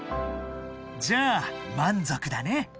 ［じゃあ満足だね］